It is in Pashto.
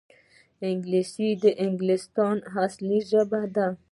انګلیسي د انګلستان اصلي ژبه ده